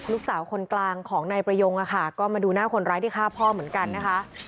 ลูกสาวคนกลางของนายประยงอะค่ะก็มาดูหน้าคนร้ายที่ฆ่าพ่อเหมือนกันนะคะ